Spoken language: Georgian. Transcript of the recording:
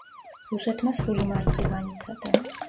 რუსეთმა სრული მარცხი განიცადა.